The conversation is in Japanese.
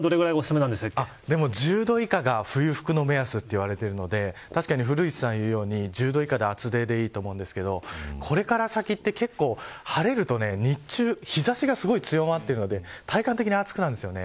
１０度以下が冬服の目安といわれてるので確かに、古市さんが言うように１０度以下で厚手でいいと思うんですけどこれから先って晴れると日中、日差しが強まってるので体感的に暑くなるんです。